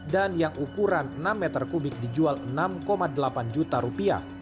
dan yang ukuran enam meter kubik dijual enam delapan juta rupiah